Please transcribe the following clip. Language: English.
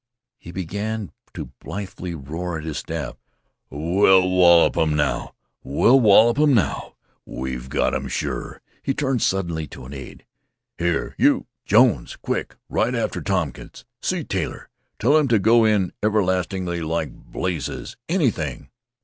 He began to blithely roar at his staff: "We 'll wallop 'im now. We 'll wallop 'im now. We 've got 'em sure." He turned suddenly upon an aid: "Here you Jones quick ride after Tompkins see Taylor tell him t' go in everlastingly like blazes anything."